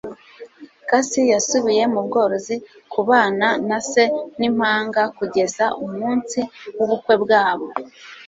Cassie yasubiye mu bworozi kubana na se n'impanga kugeza umunsi w'ubukwe bwabo.